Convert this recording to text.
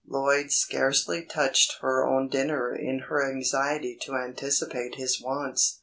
Lloyd scarcely touched her own dinner in her anxiety to anticipate his wants.